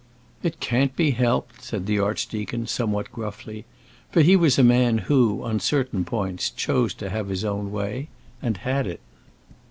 "It can't be helped," said the archdeacon, somewhat gruffly; for he was a man who, on certain points, chose to have his own way and had it.